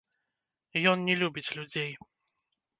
Ён не любіць людзей.